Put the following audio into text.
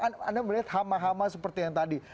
anda melihat hama hama seperti yang tadi